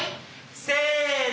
せの。